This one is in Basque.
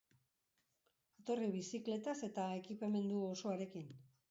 Etorri bizikletaz eta ekipamendu osoarekin.